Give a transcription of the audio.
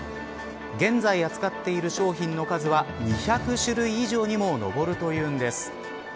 現在扱っている商品の数は２００種類以上にも上るというんです。